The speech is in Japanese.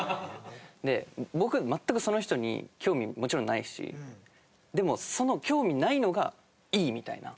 で僕全くその人に興味もちろんないしでもその興味ないのがいいみたいな。